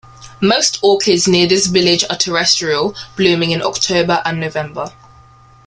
Most orchids near this village are terrestrial, blooming in October and November.